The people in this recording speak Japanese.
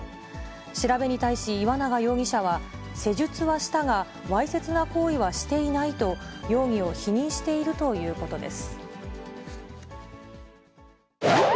調べに対し、岩永容疑者は、施術はしたが、わいせつな行為はしていないと、容疑を否認しているということです。